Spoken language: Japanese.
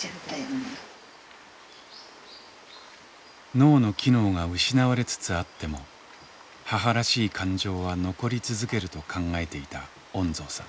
脳の機能が失われつつあっても母らしい感情は残り続けると考えていた恩蔵さん。